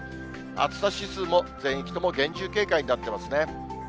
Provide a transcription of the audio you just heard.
暑さ指数も全域とも厳重警戒になってますね。